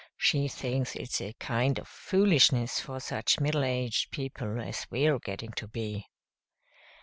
She thinks it's a kind of foolishness for such middle aged people as we're getting to be."